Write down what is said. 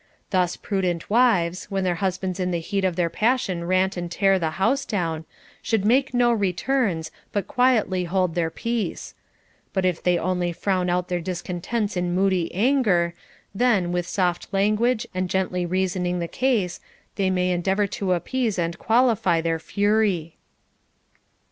Thus prudent wives, when their husbands in the heat of their passion rant and tear the house down, should make no returns, but quietly hold their peace ; but if they only frown out their discontents in moody anger, then, with soft language and gently reasoning the case, they may en deavor to appease and qualify their fury.